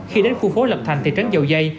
khi đến khu phố lập thành thị trấn dầu dây